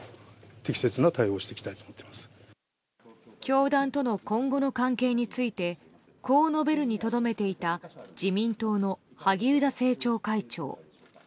教団との今後の関係についてこう述べるにとどめていた自民党の萩生田政調会長。